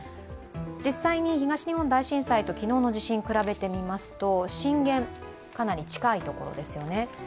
実際に東日本大震災と昨日の地震を比べてみますと震源、かなり近い所ですよね。